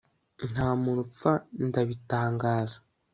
Nta muntu upfa ndabitangaza